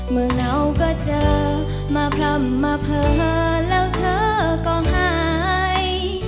เหงาก็เจอมาพร่ำมาเผลอแล้วเธอก็หาย